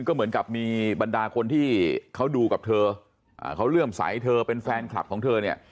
ก็เหมือนกับมีบรรดาคนที่เขาดูกับเธอเขาเลื่อมใสเธอเป็นแฟนคลับของเธอเนี่ย